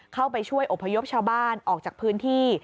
เข้าไปช่วยอบพยพชาวบ้านออกจากพื้นที่